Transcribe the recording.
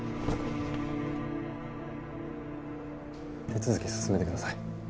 手続き進めてください。